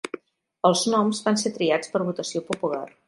Els noms van ser triats per votació popular.